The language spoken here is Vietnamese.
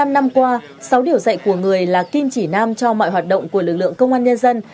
bảy mươi năm năm qua sáu điều dạy của người là kim chỉ nam cho mọi hoạt động của lực lượng công an nhân dân